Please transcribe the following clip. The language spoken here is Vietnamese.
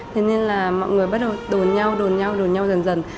thế nên là mọi người bắt đầu đồn nhau đồn nhau đồn nhau dần dần